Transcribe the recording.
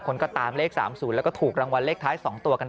คนก็ตามเลข๓๐แล้วก็ถูกรางวัลเลขท้าย๒ตัวกัน